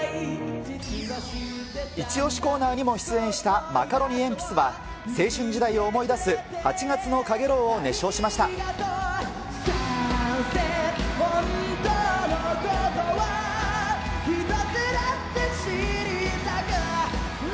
イチオシコーナーにも出演したマカロニえんぴつは、青春時代を思い出す八月の陽炎を熱唱しました。